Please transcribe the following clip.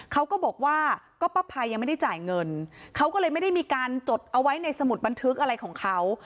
เขาก็บอกว่าก็ป้าภัยยังไม่ได้จ่ายเงินเขาก็เลยไม่ได้มีการจดเอาไว้ในสมุดบันทึกอะไรของเขา